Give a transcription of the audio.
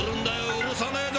［許さねえぞ